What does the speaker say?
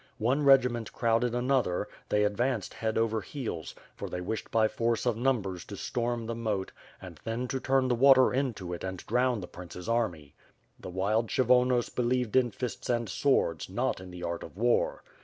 One regiment crowded another; they advanced head over heels, for they wished by force of numbers to storm the moat, and then to turn the water into it and drown the prince's army. The wild Kshyvonos be lieved in fists and swords; not in the art of war.